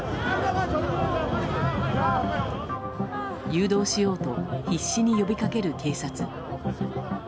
誘導しようと必死に呼びかける警察。